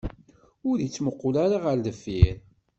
Ur ittmuqul ara ɣer deffir.